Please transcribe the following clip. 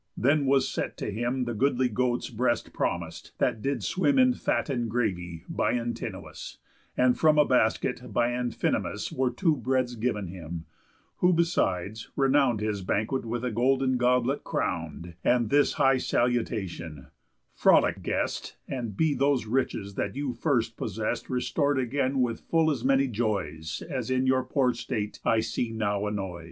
Then was set to him The goodly goat's breast promis'd (that did swim In fat and gravy) by Antinous, And from a basket, by Amphinomus, Were two breads giv'n him; who, besides, renown'd His banquet with a golden goblet; crown'd, And this high salutation: "Frolic, guest, And be those riches that you first possest Restor'd again with full as many joys, As in your poor state I see now annoys."